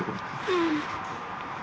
うん。